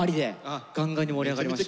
ガンガンに盛り上がりました。